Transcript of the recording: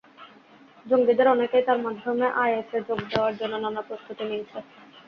জঙ্গিদের অনেকেই তাঁর মাধ্যমে আইএসে যোগ দেওয়ার জন্য নানা প্রস্তুতি নিয়েছে।